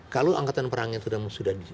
kalau angkatan perang itu sudah